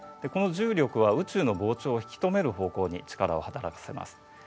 この重力は宇宙の膨張を引き止める方向に力を働かせます。